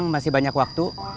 masih banyak waktu